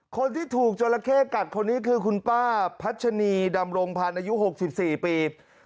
คนที่ถูกจราเข้กัดคนนี้คือคุณป้าพัชนีดำรงพันธ์อายุ๖๔ปี